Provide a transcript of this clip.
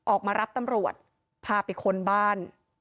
ออกมารับตำรวจพาไปค้นบ้าน